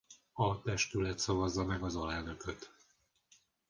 A testület szavazza meg az alelnököt.